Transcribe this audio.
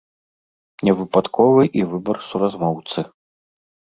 Не выпадковы і выбар суразмоўцы.